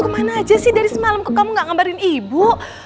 kamu tuh kemana aja sih dari semalam kok kamu gak ngambarin ibu